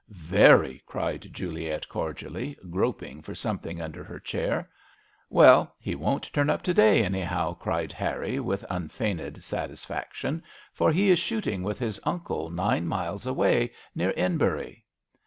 " Very," cried Juliet, cordially, groping for something under her chair. " Well, he won't turn up to day, anyhow," cried Harry, with unfeigned satisfaction, " for he is shooting with his uncle nine miles away, near Enbury."